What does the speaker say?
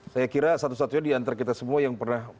saya kira satu satunya diantara kita semua yang pernah